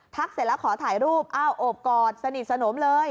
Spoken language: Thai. เสร็จแล้วขอถ่ายรูปอ้าวโอบกอดสนิทสนมเลย